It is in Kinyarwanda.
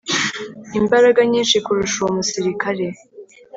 imbaraga nyinshi kurusha uwo musirikare